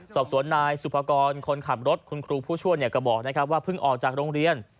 สอบสวนนายสุภกรคนขับรถคุณครูผู้ช่วยก็บอกนะครับว่าเพิ่งออกจากโรงเรียน